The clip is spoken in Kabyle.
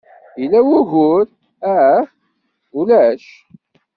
Yella wugur? Ah? Ulac.